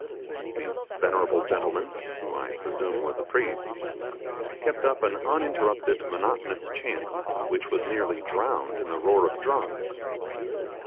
These venerable gentlemen, who I presume were the priests, kept up an uninterrupted monotonous chant, which was partly drowned in the roar of drums.